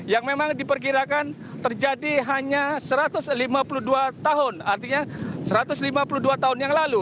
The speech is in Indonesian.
yang memang diperkirakan terjadi hanya satu ratus lima puluh dua tahun artinya satu ratus lima puluh dua tahun yang lalu